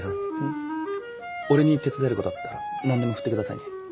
俺に手伝えることあったら何でも振ってくださいね。